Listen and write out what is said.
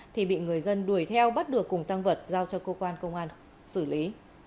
thì bị người dân đuổi theo bắt được cùng tăng vật giao cho cơ quan công an xử lý